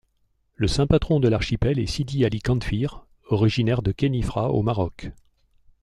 Le saint patron de l'archipel est Sidi Ali Khanfir, originaire de Khénifra au Maroc.